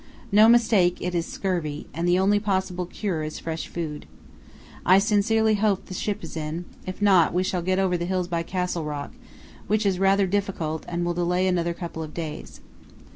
No mistake it is scurvy, and the only possible cure is fresh food. I sincerely hope the ship is in; if not we shall get over the hills by Castle Rock, which is rather difficult and will delay another couple of days.